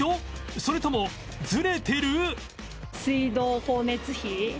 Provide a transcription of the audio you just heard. それともズレてる？